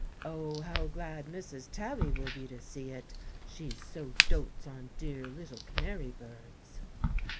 Oh, how glad Mrs. Tabby will be to see it, she so dotes on dear little canary birds!"